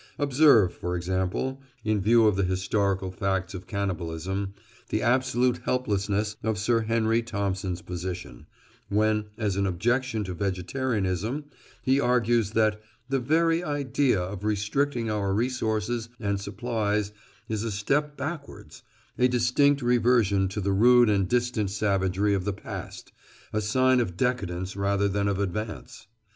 Observe, for example, in view of the historical facts of cannibalism, the absolute helplessness of Sir Henry Thompson's position, when, as an objection to vegetarianism, he argues that "the very idea of restricting our resources and supplies is a step backwards, a distinct reversion to the rude and distant savagery of the past, a sign of decadence rather than of advance."